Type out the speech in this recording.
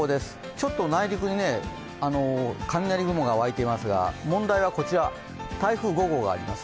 ちょっと内陸に雷雲が湧いていますが、問題はこちら、台風５号があります。